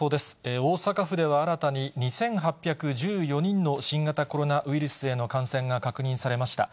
大阪府では新たに２８１４人の新型コロナウイルスへの感染が確認されました。